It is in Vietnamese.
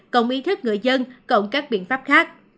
cộng ý thức người dân cộng các biện pháp khác